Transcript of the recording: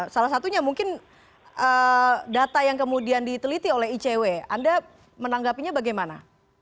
salah satunya mungkin data yang kemudian diteliti oleh icw anda menanggapinya bagaimana